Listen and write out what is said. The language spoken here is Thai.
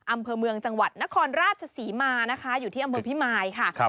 อำเภอเมืองจังหวัดนครราชศรีมานะคะอยู่ที่อำเภอพิมายค่ะ